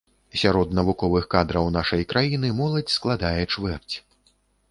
Сярод навуковых кадраў нашай краіны моладзь складае чвэрць.